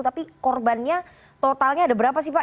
tapi korbannya totalnya ada berapa sih pak